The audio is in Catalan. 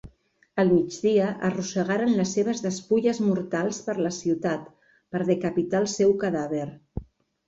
Al migdia arrossegaren les seves despulles mortals per la ciutat per decapitar el seu cadàver.